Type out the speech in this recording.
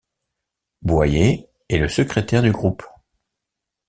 Boyer est le secrétaire du groupe.